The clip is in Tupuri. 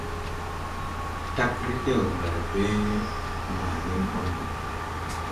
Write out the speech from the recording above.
Tag redew mberbe ma nen bon go.